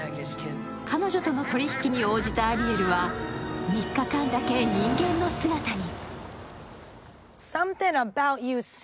彼女との取引に応じたアリエルは３日間だけ人間の姿に。